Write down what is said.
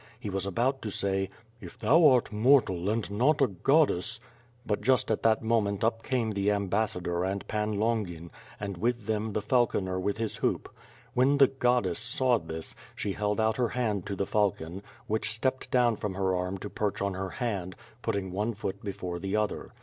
He was about to say, "If thou art mortal and not a goddess. ..." but just at that moment up came the Ambassador and Pan Longin, and with them the falconer with his hoop. When the "goddess" saw this, she held out her hand to the falcon, which stepped down from her arm to perch on her hand, putting one foot before the other.